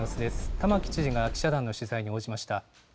玉城知事が記者団の取材に応じました。